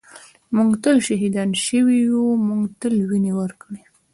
ًٍمونږ تل شهیدان شوي یُو مونږ تل وینې ورکــــړي